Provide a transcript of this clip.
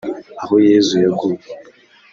Aho Yezu yaguye